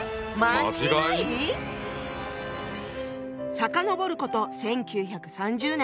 ⁉遡ること１９３０年。